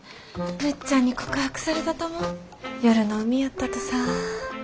むっちゃんに告白されたとも夜の海やったとさ。